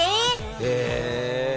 へえ。